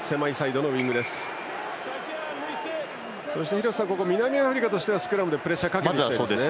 廣瀬さん、南アフリカとしてはスクラムでプレッシャーをかけていきたいですね。